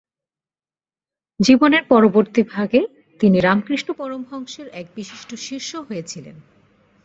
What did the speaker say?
জীবনের পরবর্তী ভাগে তিনি রামকৃষ্ণ পরমহংসের এক বিশিষ্ট শিষ্য হয়েছিলেন।